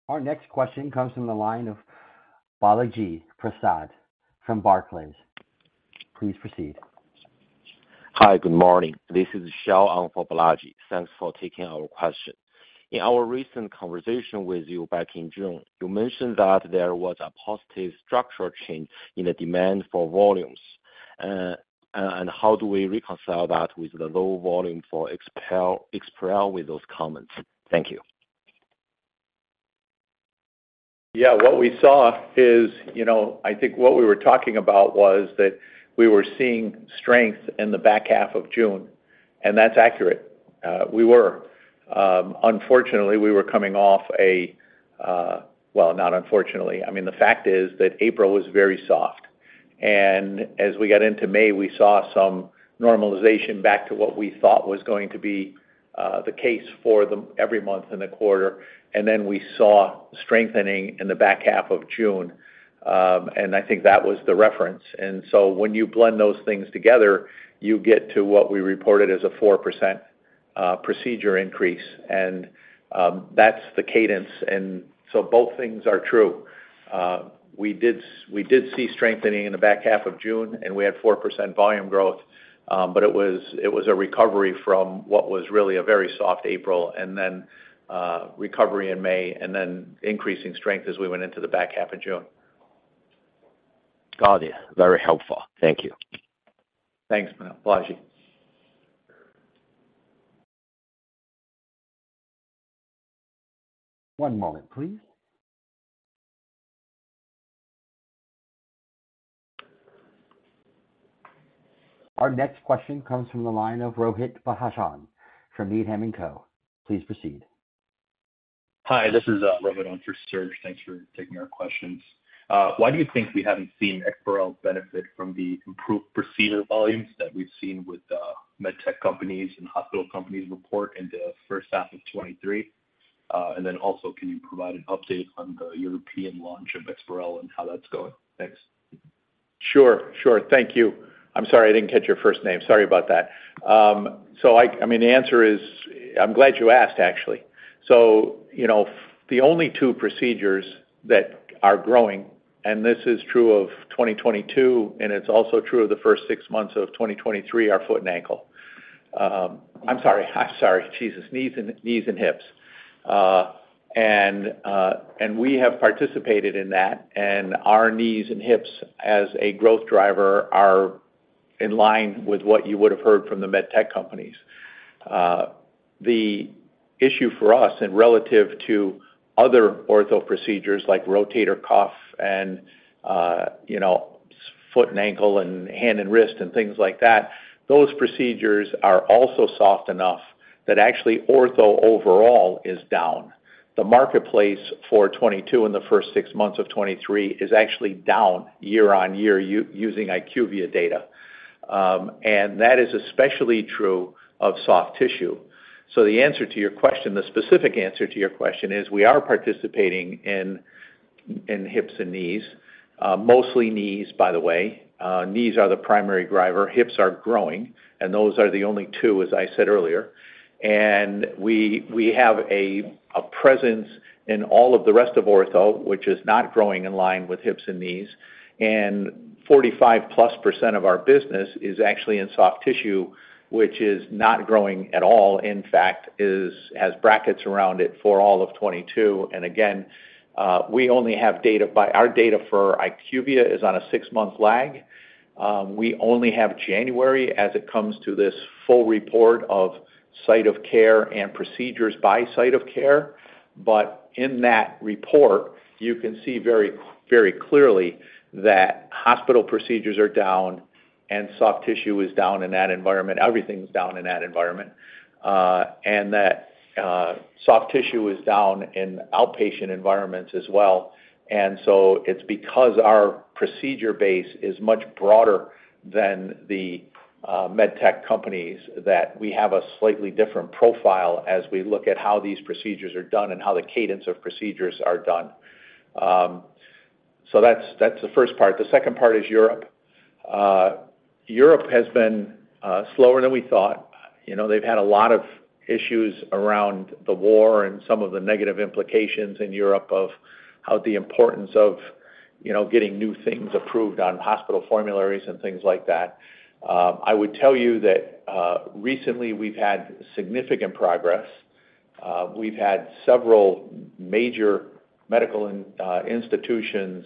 Our next question comes from the line of Balaji Prasad from Barclays. Please proceed. Hi, good morning. This is Xiao on for Balaji. Thanks for taking our question. In our recent conversation with you back in June, you mentioned that there was a positive structural change in the demand for volumes. How do we reconcile that with the low volume for EXPAREL, EXPAREL with those comments? Thank you. Yeah, what we saw is, you know, I think what we were talking about was that we were seeing strength in the back half of June. That's accurate. We were. Unfortunately, we were coming off a. Well, not unfortunately. I mean, the fact is that April was very soft, and as we got into May, we saw some normalization back to what we thought was going to be the case for the every month in the quarter, and then we saw strengthening in the back half of June. I think that was the reference. So when you blend those things together, you get to what we reported as a 4% procedure increase, and that's the cadence. So both things are true. We did, we did see strengthening in the back half of June, and we had 4% volume growth, but it was, it was a recovery from what was really a very soft April, and then, recovery in May, and then increasing strength as we went into the back half of June. Got it. Very helpful. Thank you. Thanks, Balaji. One moment, please. Our next question comes from the line of Rohit Mahajan from Needham & Company. Please proceed. Hi, this is Rohit on for Serge. Thanks for taking our questions. Why do you think we haven't seen EXPAREL benefit from the improved procedure volumes that we've seen with med tech companies and hospital companies report in the first half of 2023? Then also, can you provide an update on the European launch of EXPAREL and how that's going? Thanks. Sure, sure. Thank you. I'm sorry, I didn't catch your first name. Sorry about that. I mean, the answer is... I'm glad you asked, actually. You know, the only 2 procedures that are growing, and this is true of 2022, and it's also true of the first 6 months of 2023, are foot and ankle. I'm sorry, I'm sorry, Jesus, knees and, knees and hips. And we have participated in that, and our knees and hips, as a growth driver, are in line with what you would have heard from the med tech companies. The issue for us and relative to other ortho procedures like rotator cuff and, you know, foot and ankle and hand and wrist, and things like that, those procedures are also soft enough that actually ortho overall is down. The marketplace for 222, in the first 6 months of 2023, is actually down year-on-year using IQVIA data. That is especially true of soft tissue. The answer to your question, the specific answer to your question is, we are participating in, in hips and knees, mostly knees, by the way. Knees are the primary driver. Hips are growing, those are the only two, as I said earlier. We, we have a, a presence in all of the rest of ortho, which is not growing in line with hips and knees, 45+% of our business is actually in soft tissue, which is not growing at all, in fact, has brackets around it for all of 22. Again, we only have data, our data for IQVIA is on a 6-month lag. We only have January as it comes to this full report of site of care and procedures by site of care. In that report, you can see very, very clearly that hospital procedures are down and soft tissue is down in that environment. Everything's down in that environment, and that soft tissue is down in outpatient environments as well. So it's because our procedure base is much broader than the med tech companies, that we have a slightly different profile as we look at how these procedures are done and how the cadence of procedures are done. So that's, that's the first part. The second part is Europe. Europe has been slower than we thought. You know, they've had a lot of issues around the war and some of the negative implications in Europe of how the importance of, you know, getting new things approved on hospital formularies and things like that. I would tell you that, recently, we've had significant progress. We've had several major medical institutions,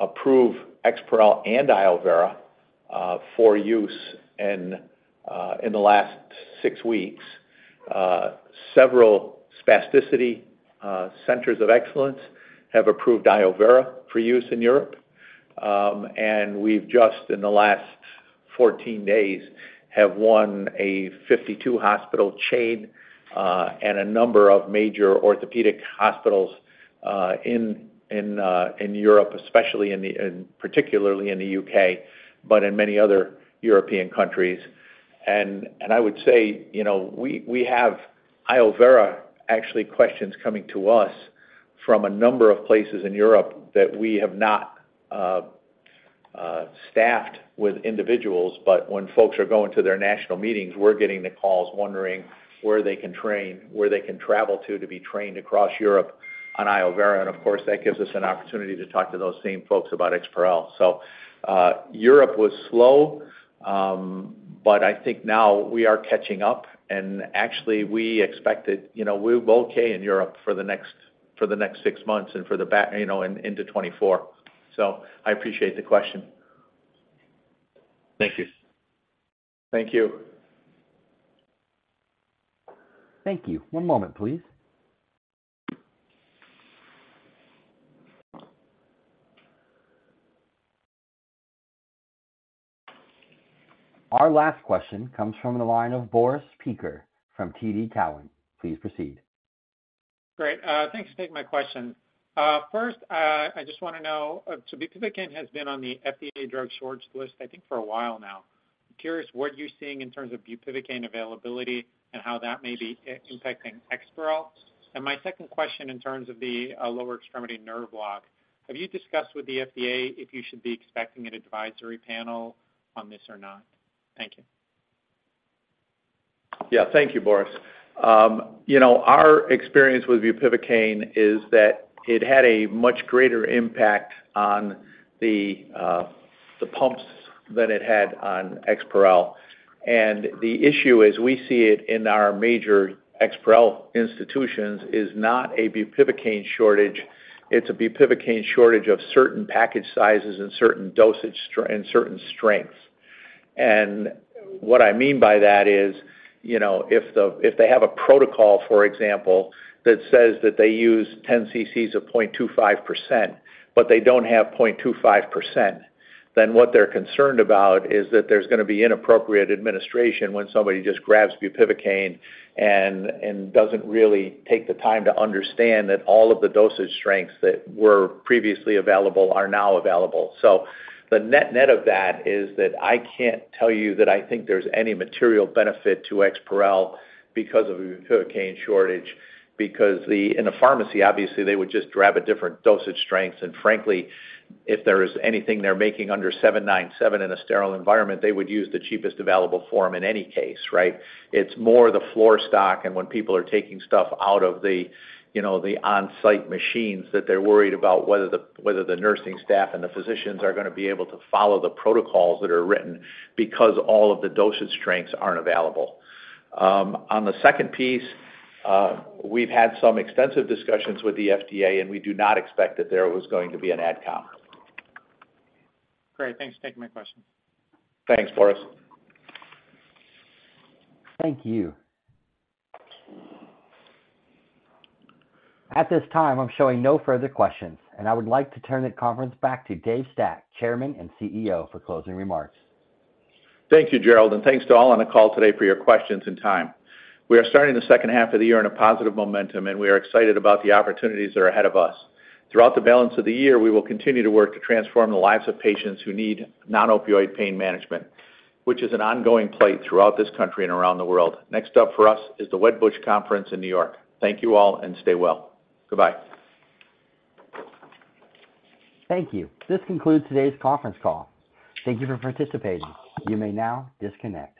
approve EXPAREL and iovera, for use in the last 6 weeks. Several spasticity centers of excellence have approved iovera for use in Europe. We've just, in the last 14 days, have won a 52 hospital chain, and a number of major orthopedic hospitals, in Europe, especially in particularly in the UK, but in many other European countries. I would say, you know, we, we have iovera, actually, questions coming to us from a number of places in Europe that we have not staffed with individuals. When folks are going to their national meetings, we're getting the calls, wondering where they can train, where they can travel to, to be trained across Europe on iovera. Of course, that gives us an opportunity to talk to those same folks about EXPAREL. Europe was slow, but I think now we are catching up, and actually, we expected, you know, we're okay in Europe for the next, for the next six months and for the back, you know, and into 2024. I appreciate the question. Thank you. Thank you. Thank you. One moment, please. Our last question comes from the line of Boris Peaker from TD Cowen. Please proceed. Great, thanks for taking my question. First, I just wanna know, bupivacaine has been on the FDA drug shortage list, I think, for a while now. I'm curious, what you're seeing in terms of bupivacaine availability and how that may be impacting EXPAREL? My second question in terms of the lower extremity nerve block: have you discussed with the FDA if you should be expecting an advisory panel on this or not? Thank you. Yeah. Thank you, Boris. You know, our experience with bupivacaine is that it had a much greater impact on the pumps than it had on EXPAREL. The issue, as we see it in our major EXPAREL institutions, is not a bupivacaine shortage, it's a bupivacaine shortage of certain package sizes and certain dosage and certain strengths. What I mean by that is, you know, if they have a protocol, for example, that says that they use 10 cc of 0.25%, but they don't have 0.25%, then what they're concerned about is that there's gonna be inappropriate administration when somebody just grabs bupivacaine and doesn't really take the time to understand that all of the dosage strengths that were previously available are now available. The net-net of that is that I can't tell you that I think there's any material benefit to EXPAREL because of a bupivacaine shortage. In a pharmacy, obviously, they would just grab a different dosage strengths, and frankly, if there is anything they're making under USP 797 in a sterile environment, they would use the cheapest available form in any case, right? It's more the floor stock, and when people are taking stuff out of the, you know, the on-site machines, that they're worried about whether the, whether the nursing staff and the physicians are gonna be able to follow the protocols that are written, because all of the dosage strengths aren't available. On the second piece, we've had some extensive discussions with the FDA, and we do not expect that there was going to be an AdCom. Great, thanks for taking my question. Thanks, Boris. Thank you. At this time, I'm showing no further questions, I would like to turn the conference back to David Stack, Chairman and CEO, for closing remarks. Thank you, Gerald, thanks to all on the call today for your questions and time. We are starting the second half of the year in a positive momentum, and we are excited about the opportunities that are ahead of us. Throughout the balance of the year, we will continue to work to transform the lives of patients who need non-opioid pain management, which is an ongoing plight throughout this country and around the world. Next up for us is the Wedbush Conference in New York. Thank you all, and stay well. Goodbye. Thank you. This concludes today's conference call. Thank you for participating. You may now disconnect.